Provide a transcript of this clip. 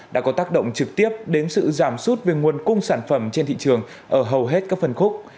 đã có tác động trực tiếp đến sự giảm sút về nguồn cung sản phẩm trên thị trường ở hầu hết các phân khúc